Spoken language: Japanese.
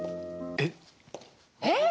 「えっ？」